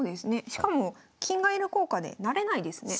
しかも金がいる効果で成れないですね。